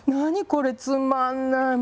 これつまんない。